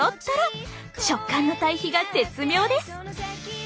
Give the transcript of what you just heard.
食感の対比が絶妙です！